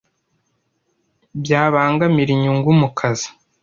byabangamira inyungu mu kazi